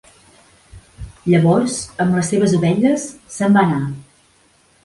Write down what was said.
Llavors, amb les seves ovelles, se'n va anar.